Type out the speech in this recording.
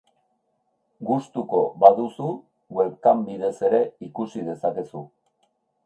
Gustuko baduzu, webcam bidez ere ikusi dezakezu.